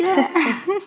yang ini juga lucu ya